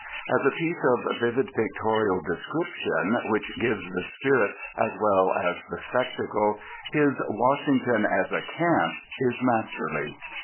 As a piece of vivid pictorial description, which gives the spirit as well as the spectacle, his "Washington as a Camp" is masterly.